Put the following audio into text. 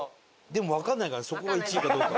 でもわかんないからそこが１位かどうかは。